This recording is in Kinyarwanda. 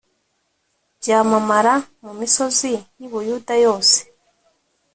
byamamara mu misozi y i Yudaya yose